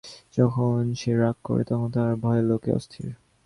যখন সে রাগ করে তখন তাহার ভয়ে লোকে অস্থির।